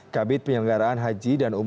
kabit penyelenggaraan haji dan umroh